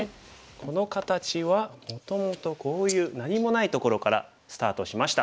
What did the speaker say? この形はもともとこういう何もないところからスタートしました。